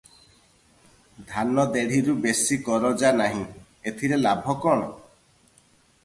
ଧାନ ଦେଢ଼ିରୁ ବେଶି କରଜା ନାହିଁ, ଏଥିରେ ଲାଭ କଣ?